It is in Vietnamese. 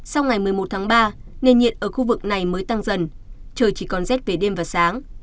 sau ngày một mươi một tháng ba nền nhiệt ở khu vực này mới tăng dần trời chỉ còn rét về đêm và sáng